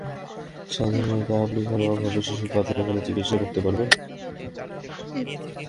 সাধারণত আপনি ঘরোয়াভাবেই শিশুর পাতলা পায়খানার চিকিৎসা করতে পারবেন।